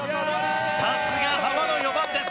さすがハマの４番です。